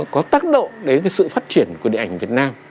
có tác động đến sự phát triển của điện ảnh việt nam